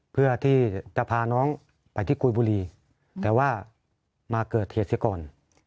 เพื่อที่จะพาน้องไปที่กุยบุรีแต่ว่ามาเกิดเหตุเสียก่อน